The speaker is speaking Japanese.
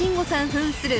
ふんする